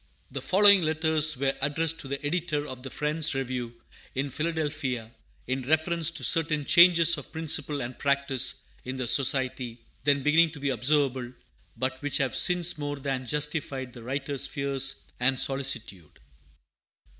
The following letters were addressed to the Editor of the Friends' Review in Philadelphia, in reference to certain changes of principle and practice in the Society then beginning to be observable, but which have since more than justified the writer's fears and solicitude.